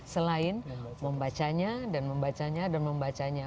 selain membacanya dan membacanya dan membacanya